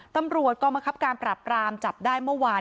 ตำรวจกรมคับการปรับรามจับได้เมื่อวาน